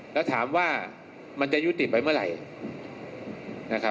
และเธอถามว่ามันจะยุติไปเมื่อไหร่